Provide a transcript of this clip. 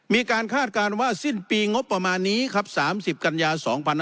คาดการณ์ว่าสิ้นปีงบประมาณนี้ครับ๓๐กันยา๒๕๖๒